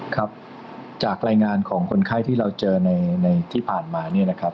ครับจากรายงานของคนไข้ที่เราเจอในที่ผ่านมาเนี่ยนะครับ